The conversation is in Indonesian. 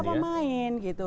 para pemain gitu